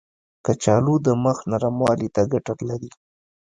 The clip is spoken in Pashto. کچالو د مخ نرموالي ته ګټه لري.